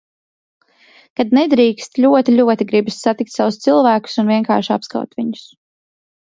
Kad nedrīkst, ļoti, ļoti gribas satikt savus cilvēkus un vienkārši apskaut viņus.